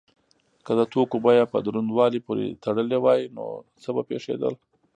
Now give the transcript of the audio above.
که د توکو بیه په دروندوالي پورې تړلی وای نو څه به پیښیدل؟